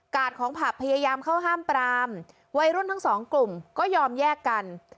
ของผับพยายามเข้าห้ามปรามวัยรุ่นทั้งสองกลุ่มก็ยอมแยกกัน